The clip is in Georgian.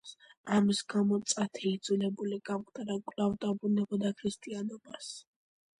ამის გამო, წათე იძულებული გამხდარა კვლავ დაბრუნებოდა ქრისტიანობას.